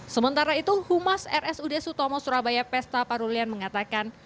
sementara itu humas rsud sutomo surabaya pesta parulian mengatakan